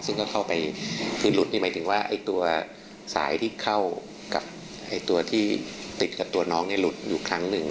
ซึ่งก็เข้าไปคือหลุดนี่หมายถึงว่าไอ้ตัวสายที่เข้ากับตัวที่ติดกับตัวน้องเนี่ยหลุดอยู่ครั้งหนึ่ง